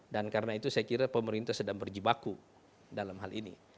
dan karena itu saya kira pemerintah sedang berjebaku dalam hal ini